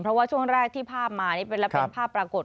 เพราะว่าช่วงแรกที่ภาพมานี่แล้วเป็นภาพปรากฏ